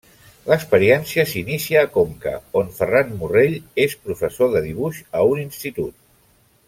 L'experiència s'inicia a Conca, on Ferran Morrell és professor de dibuix a un institut.